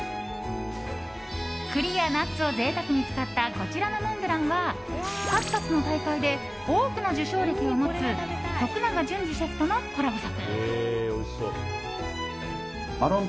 栗やナッツをぜいたくに使ったこちらのモンブランは数々の大会で多くの受賞歴を持つ徳永純司シェフとのコラボ作。